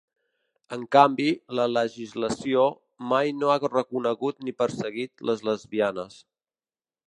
En canvi, la legislació mai no ha reconegut ni perseguit les lesbianes.